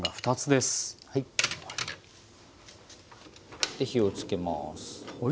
で火をつけます。